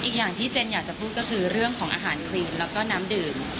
อีกอย่างที่เจนอยากจะพูดก็คือเรื่องของอาหารครีมแล้วก็น้ำดื่ม